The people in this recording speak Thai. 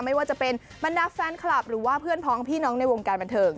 ไม่ว่าจะเป็นบรรดาแฟนคลับหรือว่าเพื่อนพ้องพี่น้องในวงการบันเทิง